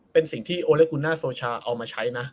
เป็นสิ่งที่โอเลกูน่าโซชาเอามาใช้นะ